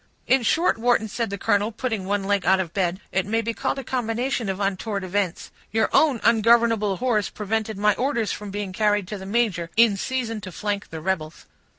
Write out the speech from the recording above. "In short, Wharton," said the colonel, putting one leg out of bed, "it may be called a combination of untoward events; your own ungovernable horse prevented my orders from being carried to the major, in season to flank the rebels."